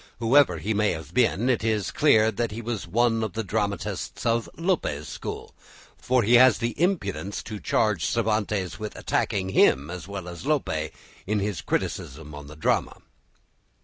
Whoever he may have been, it is clear that he was one of the dramatists of Lope's school, for he has the impudence to charge Cervantes with attacking him as well as Lope in his criticism on the drama.